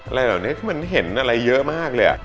อะไรแบบนี้มันเห็นอะไรเยอะมากเลย